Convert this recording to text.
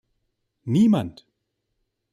Niemand!